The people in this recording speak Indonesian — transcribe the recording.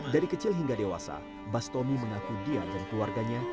dari kecil hingga dewasa bastomi mengaku dia dan keluarganya